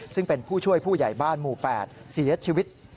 ซึ่งเป็นผู้ช่วยผู้ใหญ่บ้านหมู่๘เสียชีวิต